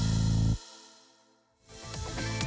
โอเคนะคะ